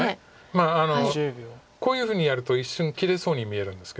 まあこういうふうにやると一瞬切れそうに見えるんですけど。